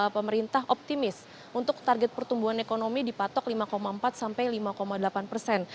pemerintah optimis untuk target pertumbuhan ekonomi dipatok lima empat sampai lima delapan persen